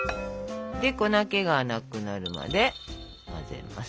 で粉けがなくなるまで混ぜますと。